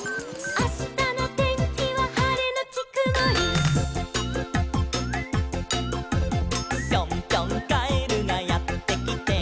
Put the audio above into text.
「あしたのてんきははれのちくもり」「ぴょんぴょんカエルがやってきて」